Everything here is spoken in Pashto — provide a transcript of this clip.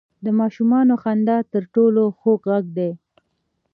• د ماشومانو خندا تر ټولو خوږ ږغ دی.